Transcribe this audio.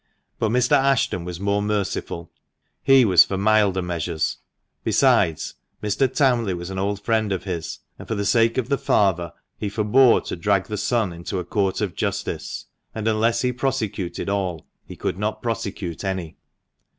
But Mr. Ashton was more merciful ; he was for milder measures. Besides, Mr. Townley was an old friend of his, and for the sake of the father he forbore to drag the son into a court of justice; and unless he prosecuted all, he could not prosecute any.